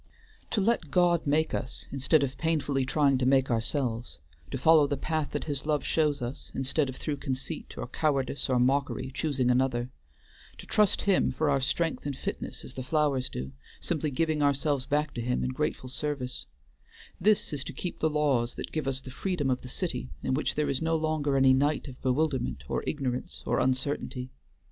To let God make us, instead of painfully trying to make ourselves; to follow the path that his love shows us, instead of through conceit or cowardice or mockery choosing another; to trust Him for our strength and fitness as the flowers do, simply giving ourselves back to Him in grateful service, this is to keep the laws that give us the freedom of the city in which there is no longer any night of bewilderment or ignorance or uncertainty.